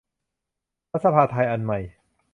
รัฐสภาไทยอันใหม่